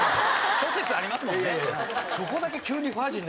諸説ありますもんね。